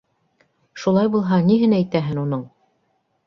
— Шулай булһа ниһен әйтәһең уның.